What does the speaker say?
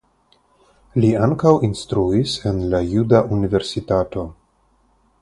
Li ankaŭ instruis en la Juda Universitato.